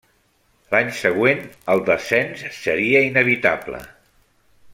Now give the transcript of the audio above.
L'any següent el descens seria inevitable.